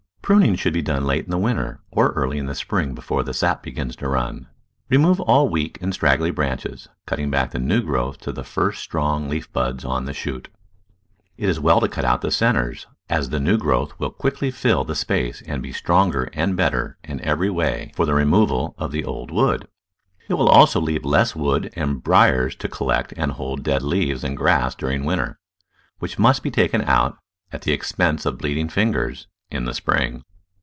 Pruning should be done late in the winter or early in the spring before the sap begins to run. Remove all weak and straggly branches, cutting back the new growth to the first strong leaf buds on the shoot. It is well to cut out the centres, as the new growth will quickly fill the space and be stronger and better in every way for the "73 Digitized by Google 174 The Flower Garden [Chapter removal of the old wood. It will also leave less wood and briers to collect and hold dead leaves and grass during winter, which must be taken out, at the ex pense of bleeding fingers, in the spring.